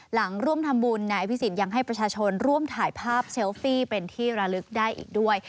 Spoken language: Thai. หลังร่วมทำบุญนายอภิษฎยังให้ประชาชนร่วมถ่ายภาพเซลฟี่เป็นที่ระลึกได้อีกด้วย